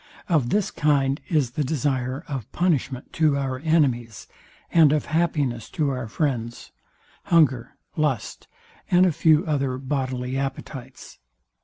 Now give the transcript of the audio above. Of this kind is the desire of punishment to our enemies, and of happiness to our friends; hunger, lust, and a few other bodily appetites.